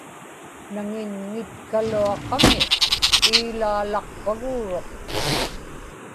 naŋinŋitkaluaqami iilaalaqpaguuruq